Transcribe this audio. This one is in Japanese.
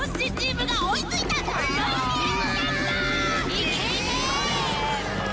いけいけ！